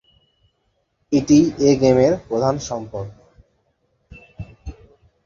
এটিই এ গেমের প্রধান সম্পদ।